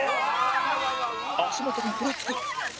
足元がふらつく